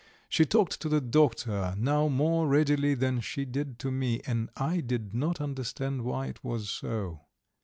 She talked to the doctor now more readily than she did to me, and I did not understand why it was so.